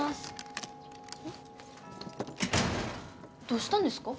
どうしたんですか？